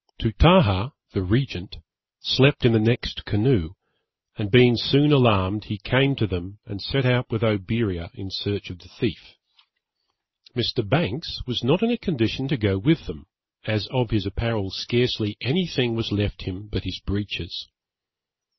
Tootahah (the regent) slept in the next canoe, and being soon alarmed, he came to them and set out with Oberea in search of the thief. Mr. Banks was not in a condition to go with them, as of his apparel scarcely any thing was left him but his breeches.